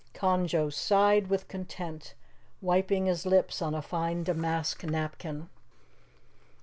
Conjo sighed with content, wiping his lips on a fine damask napkin.